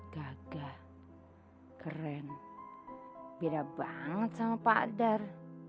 gagah keren beda banget sama pak dar